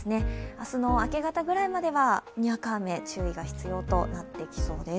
明日の明け方ぐらいまではにわか雨、注意が必要となってきそうです。